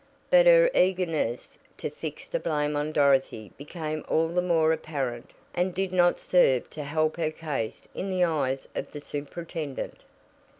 But her eagerness to fix the blame on Dorothy became all the more apparent and did not serve to help her case in the eyes of the superintendent.